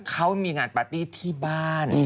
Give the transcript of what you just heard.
เขามีงานปาร์ตี้ที่บ้าน